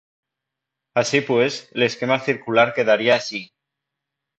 Así pues, el esquema circular quedaría así.